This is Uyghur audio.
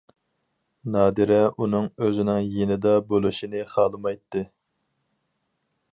نادىرە ئۇنىڭ ئۆزىنىڭ يېنىدا بولۇشىنى خالىمايتتى.